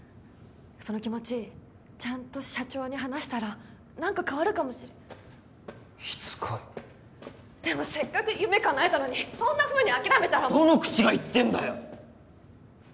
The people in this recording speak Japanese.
その気持ちちゃんと社長に話したら何か変わるかもしれしつこいでもせっかく夢かなえたのにそんなふうに諦めたらもうどの口が言ってんだよ！